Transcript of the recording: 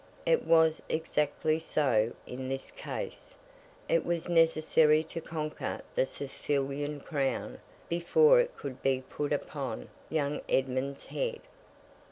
It was exactly so in this case. It was necessary to conquer the Sicilian Crown before it could be put upon young Edmund's head.